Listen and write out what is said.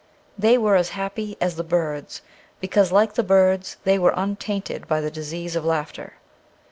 They were as happy as the birds because, like the birds, they were untainted by the disease of laughter.